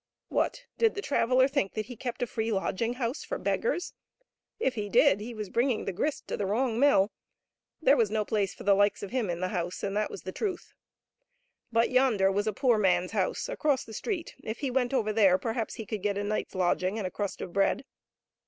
What ! Did the traveller think that he kept a free lodging house for beggars? If he did he was bringing his grist to the wrong mill ; there was no place for the likes of him in the house, and that was the truth. But yonder was a poor mans house across the street, if he went over there perhaps he could get a night's lodging and a crust of bread.